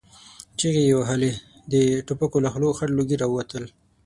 چيغې يې وهلې، د ټوپکو له خولو خړ لوګي را وتل.